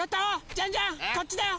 ジャンジャンこっちだよ！